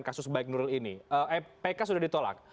kasus baik nuril ini pk sudah ditolak